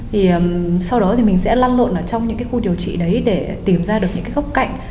thì sau đó thì mình sẽ lăn lộn ở trong những cái khu điều trị đấy để tìm ra được những cái gốc cạnh